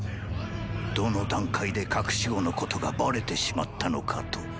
どの段階で“隠し子”のことがバレてしまったのかと。